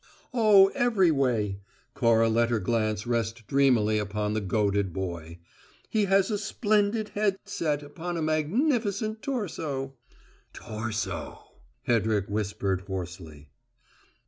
"Oh, every way." Cora let her glance rest dreamily upon the goaded boy. "He has a splendid head set upon a magnificent torso " "Torso!" Hedrick whispered hoarsely.